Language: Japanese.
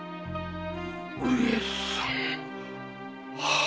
上様。